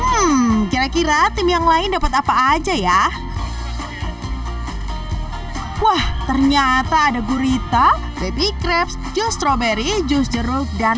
hmm kira kira tim yang lain dapat apa aja ya wah ternyata ada gurita baby crepes jus stroberi jus jeruk dan